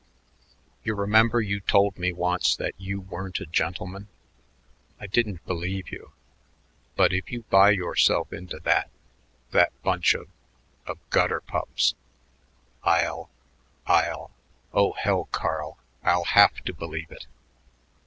You remember you told me once that you weren't a gentleman. I didn't believe you, but if you buy yourself into that that bunch of of gutter pups, I'll I'll oh, hell, Carl, I'll have to believe it."